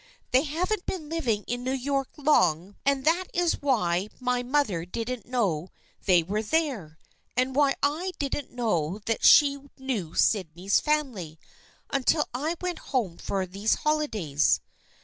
They haven't been living in New York long and that is why my mother didn't know they were there, and why I didn't know that she knew Sydney's family, until I went home for these holidays."